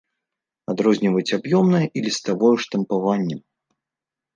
Адрозніваюць аб'ёмнае і ліставое штампаваннем.